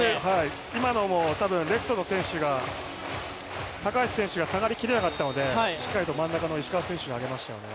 今のも多分、レフトの選手が高橋選手が下がりきれなかったのでしっかりと真ん中の石川選手が上げましたよね。